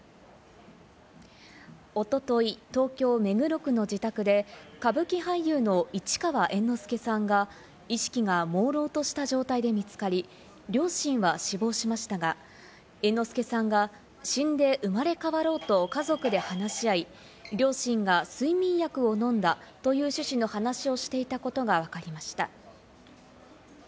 おととい、東京・目黒区の自宅で歌舞伎俳優の市川猿之助さんが意識がもうろうとした状態で見つかり、両親は死亡しましたが、猿之助さんが死んで生まれ変わろうと、家族で話し合い、両親が睡眠薬を飲んだという趣旨の話をしていたことがわかりました。